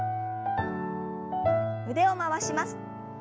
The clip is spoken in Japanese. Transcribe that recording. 腕を回します。